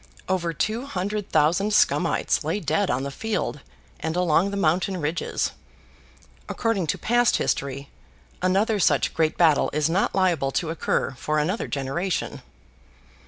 Over two hundred thousand Scumites lay dead on the field and along the mountain ridges. According to past history, another such great battle is not liable to occur for another generation.